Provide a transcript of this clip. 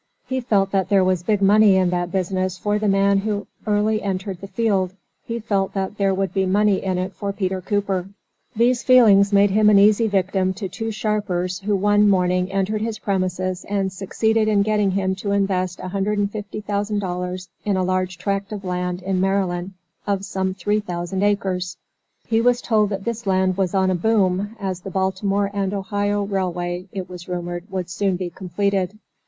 He felt that there was big money in that business for the man who early entered the field; he felt that there would be money in it for Peter Cooper. These feelings made him an easy victim to two sharpers who one morning entered his premises and succeeded in getting him to invest $150,000 in a large tract of land, in Maryland, of some three thousand acres. He was told that this land was on a 'boom,' as the Baltimore and Ohio Railway, it was rumored, would soon be completed.